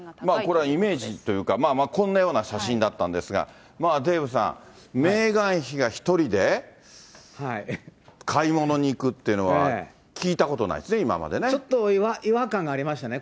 これはイメージというか、こんなような写真だったんですが、デーブさん、メーガン妃が１人で買い物に行くっていうのは、聞いたことないですね、ちょっと違和感がありましたね。